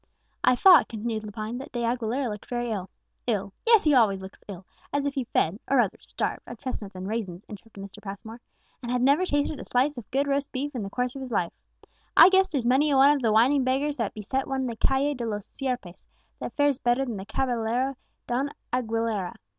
"I thought," continued Lepine, "that De Aguilera looked very ill." "Ill! yes, he always looks ill as if he fed, or rather starved, on chestnuts and raisins," interrupted Mr. Passmore, "and had never tasted a slice of good roast beef in the course of his life! I guess there's many a one of the whining beggars that beset one in the Calle de los Sierpes, that fares better than the caballero Don Aguilera.